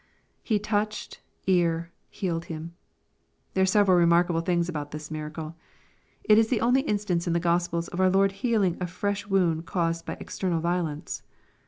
[He touched..,ear...healed him.] There are several remarkable things about this miracle. It is the only instance in the Gospels of our Lord healing a fresh wound caused by external violence.